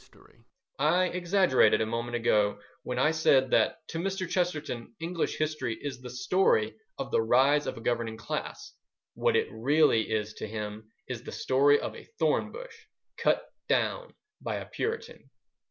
I exaggerated a moment ago when I said that to Mr. Chesterton English history is the story of the rise of a governing class. What it really is to him is the story of a thorn bush cut down by a Puritan.